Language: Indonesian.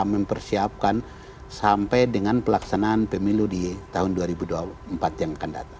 mempersiapkan sampai dengan pelaksanaan pemilu di tahun dua ribu dua puluh empat yang akan datang